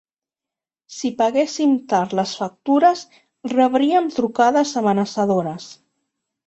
Si paguéssim tard les factures rebríem trucades amenaçadores.